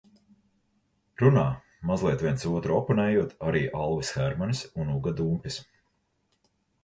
Runā, mazliet viens otram oponējot, arī Alvis Hermanis un Uga Dumpis.